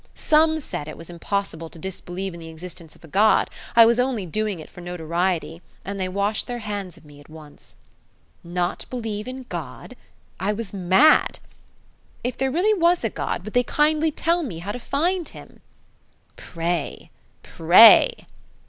Some said it was impossible to disbelieve in the existence of a God: I was only doing it for notoriety, and they washed their hands of me at once. Not believe in God! I was mad! If there really was a God, would they kindly tell me how to find Him? Pray! pray!